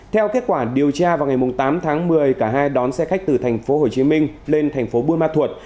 theo kết quả điều tra vào ngày tám tháng một mươi cả hai đón xe khách từ tp hcm lên tp bunma thuật